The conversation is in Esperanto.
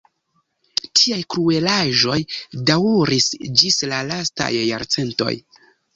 Tiaj kruelaĵoj daŭris ĝis la lastaj jarcentoj.